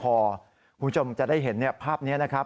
คุณผู้ชมจะได้เห็นภาพนี้นะครับ